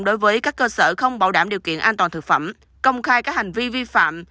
đối với các cơ sở không bảo đảm điều kiện an toàn thực phẩm công khai các hành vi vi phạm